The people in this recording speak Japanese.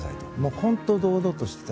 本当に堂々としていた。